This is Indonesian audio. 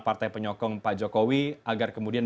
partai penyokong pak jokowi agar kemudian